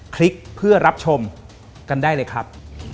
คลิกเพื่อรับชมกันได้เลยครับ